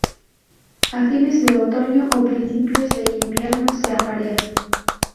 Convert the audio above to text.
A fines de otoño o principios de invierno se aparea.